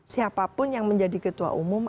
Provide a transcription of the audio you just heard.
siapapun yang menjadi ketua umum